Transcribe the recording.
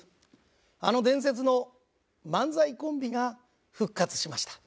あの伝説の漫才コンビが復活しました。